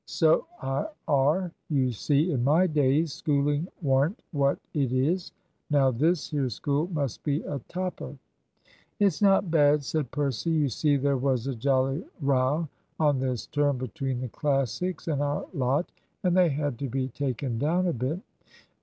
"So I are. You see, in my days, schooling worn't what it is. Now this here school must be a topper." "It's not bad," said Percy. "You see there was a jolly row on this term between the Classics and our lot, and they had to be taken down a bit."